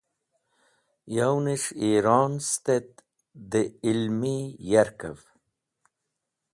Yow’nes̃h Iron stet (dẽ ilmi yarkev).